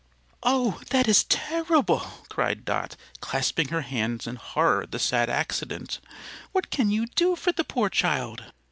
"Oh, that is terrible!" cried Dot, clasping her hands in horror at the sad accident. "What can you do for the poor child?"